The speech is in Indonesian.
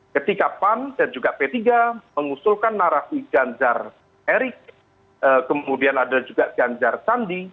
ketika pan dan juga p tiga mengusulkan narasi ganjar erick kemudian ada juga ganjar sandi